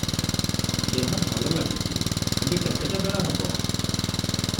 "ଦେହ ଭଲ ଲାଗୁଚି! ଏବେ କେତେଟା ବେଳ ହବ?